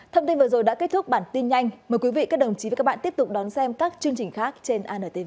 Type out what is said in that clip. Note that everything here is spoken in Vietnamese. thông tin vừa rồi đã kết thúc bản tin nhanh mời quý vị các đồng chí và các bạn tiếp tục đón xem các chương trình khác trên antv